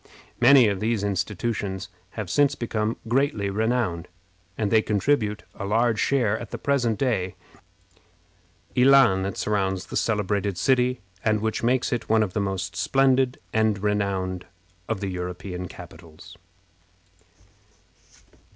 Many of these institutions have since become greatly renowned, and they contribute a large share, at the present day, to the éclat which surrounds this celebrated city, and which makes it one of the most splendid and renowned of the European capitals.